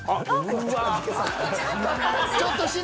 うわ。